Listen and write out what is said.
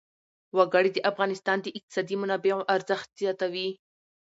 وګړي د افغانستان د اقتصادي منابعو ارزښت زیاتوي.